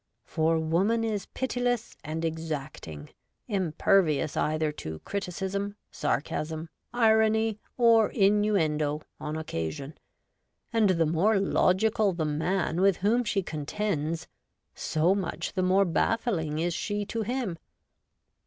For woman is pitiless and exacting, impervious either to criticism, sarcasm, irony, or innuendo, on occasion ; and the more logical the man with whom she contends, so much the more baffling is she to him.